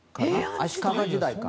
足利時代か。